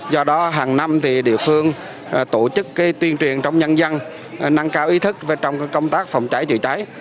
do đó hàng năm địa phương tổ chức tuyên truyền trong nhân dân nâng cao ý thức trong công tác phòng cháy chữa cháy